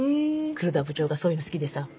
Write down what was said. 黒田部長がそういうの好きでさ。